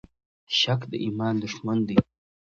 شک د ایمان دښمن دی.